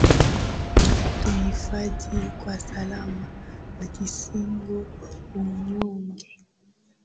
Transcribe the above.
Tuhifadhi kwa salama, na kisingio unyonge,